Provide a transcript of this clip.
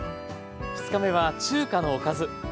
２日目は中華のおかず。